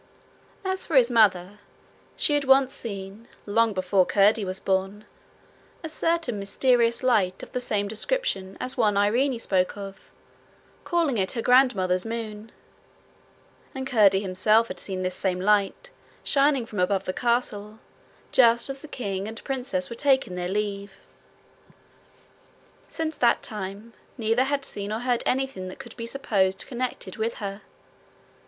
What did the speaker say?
As for his mother, she had once seen, long before Curdie was born, a certain mysterious light of the same description as one Irene spoke of, calling it her grandmother's moon; and Curdie himself had seen this same light, shining from above the castle, just as the king and princess were taking their leave. Since that time neither had seen or heard anything that could be supposed connected with her.